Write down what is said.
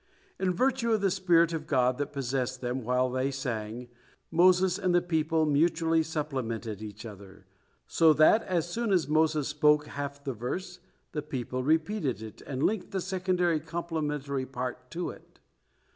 In virtue of the spirit of God that possessed them while they sang, Moses and the people mutually supplemented each other, so that, as soon as Moses spoke half the verse, the people repeated it, and linked the second complementary part to it.